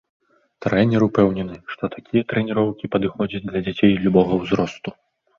Трэнер упэўнены, што такія трэніроўкі падыходзяць для дзяцей любога ўзросту.